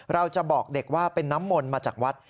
เราจะบอกเด็กว่าเป็นน้ำมนต์มาจากวัด